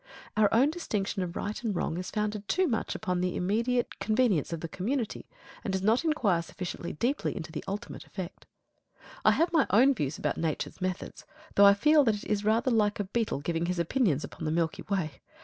Our own distinction of right and wrong is founded too much upon the immediate convenience of the community, and does not inquire sufficiently deeply into the ultimate effect. I have my own views about Nature's methods, though I feel that it is rather like a beetle giving his opinions upon the milky way.